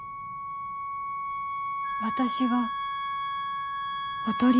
私がおとり？